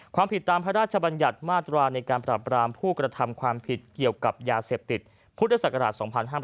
ความผิดตามพระราชบัญญัติมาตราในการปรับรามผู้กระทำความผิดเกี่ยวกับยาเสพติดพุทธศักราช๒๕๕๙